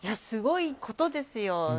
すごいことですよ。